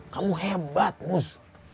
kamu hebat mus